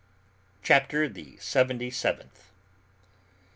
CHAPTER THE SEVENTY SEVENTH.